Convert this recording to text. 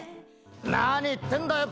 何言ってんだよ